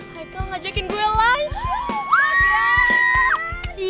haikel ngajakin gue lunch